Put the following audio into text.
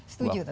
setuju tapi pak